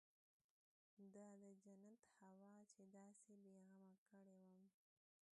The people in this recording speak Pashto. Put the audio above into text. دا د جنت هوا چې داسې بې غمه کړى وم.